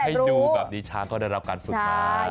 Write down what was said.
ให้ดูแบบนี้ช้างเขาได้รับการสุดท้าย